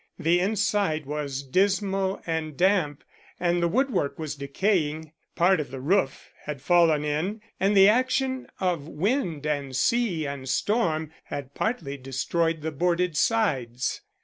The inside was dismal and damp, and the woodwork was decaying. Part of the roof had fallen in, and the action of wind and sea and storm had partly destroyed the boarded sides.